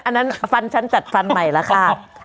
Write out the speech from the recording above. อันนั้นฟันฉันจัดฟันใหม่แล้วค่ะ